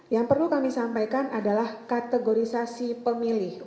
yang perlu kami sampaikan adalah kategorisasi pemilih